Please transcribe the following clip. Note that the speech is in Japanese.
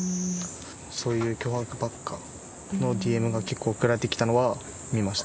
そういう脅迫ばっかのＤＭが結構送られてきたのは、見ました。